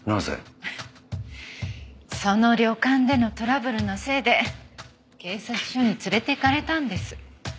フッその旅館でのトラブルのせいで警察署に連れて行かれたんです。